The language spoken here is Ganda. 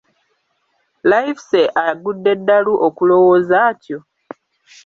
Livesey agudde ddalu okulowooza atyo?